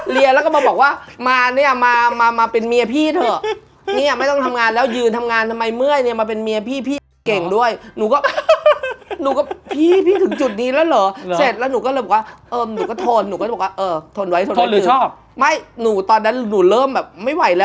พี่เข้าใจแล้วว่าอาชีพเป็นอาชีพประหลาดไหมล่ะ